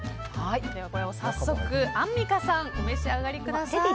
これを早速アンミカさんお召し上がりください。